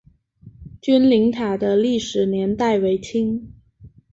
君灵塔的历史年代为清。